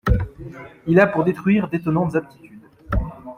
Il a pour détruire d'étonnantes aptitudes.